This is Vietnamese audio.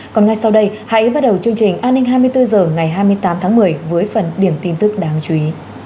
còn ngay sau đây hãy bắt đầu chương trình an ninh hai mươi bốn h ngày hai mươi tám tháng một mươi với phần điểm tin tức đáng chú ý